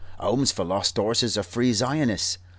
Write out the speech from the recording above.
'Omes for lost 'orses or Free Zionists?